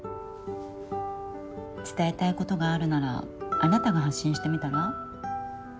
伝えたいことがあるならあなたが発信してみたら？